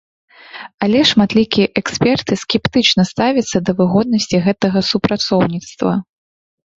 Але шматлікія эксперты скептычна ставяцца да выгоднасці гэтага супрацоўніцтва.